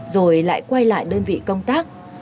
rồi lại quay lại đơn vị công tác